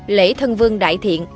lễ thân vương đại thiện